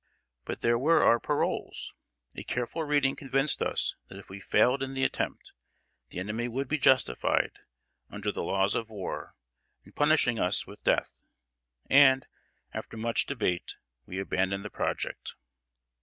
But there were our paroles! A careful reading convinced us that if we failed in the attempt, the enemy would be justified, under the laws of war, in punishing us with death; and, after much debate, we abandoned the project.